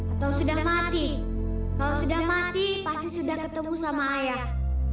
atau sudah mati kalau sudah mati pasti sudah ketemu sama ayah